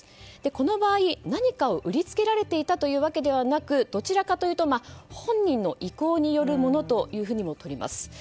この場合何かを売りつけられていたというわけではなくどちらかというと本人の意向によるものともとれます。